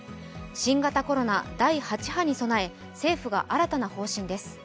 新型コロナ第８波に備え政府が新たな方針です。